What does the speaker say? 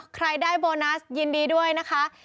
ใครได้โบนัสยินดีด้วยนะคะ